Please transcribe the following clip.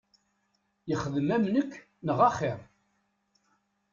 Yexdem am nekk neɣ axir!